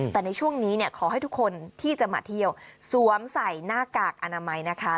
แต่ในช่วงนี้เนี่ยขอให้ทุกคนที่จะมาเที่ยวสวมใส่หน้ากากอนามัยนะคะ